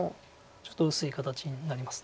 ちょっと薄い形になります。